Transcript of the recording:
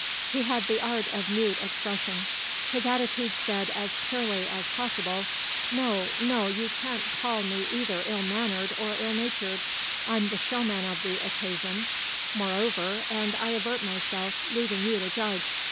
He had the art of mute expression; his attitude said as clearly as possible: "No, no, you can't call me either ill mannered or ill natured. I'm the showman of the occasion, moreover, and I avert myself, leaving you to judge.